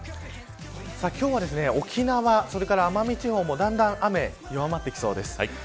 今日は沖縄それから奄美地方もだんだん雨弱まってきそうです。